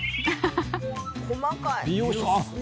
細かい。